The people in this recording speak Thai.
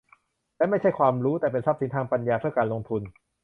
และไม่ใช่ความรู้ แต่เป็นทรัพย์สินทางปัญญา เพื่อการลงทุน